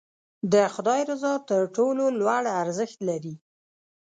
د خدای رضا تر ټولو لوړ ارزښت لري.